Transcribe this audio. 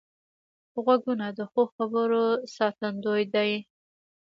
غوږونه د ښو خبرو ساتندوی دي